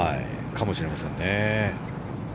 かもしれませんね。